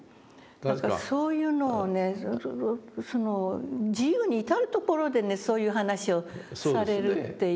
だからそういうのをね自由に至る所でねそういう話をされるっていうのがありましたね。